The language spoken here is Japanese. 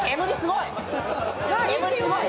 煙すごい。